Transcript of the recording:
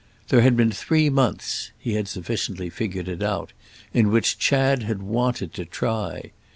There had been three months—he had sufficiently figured it out—in which Chad had wanted to try.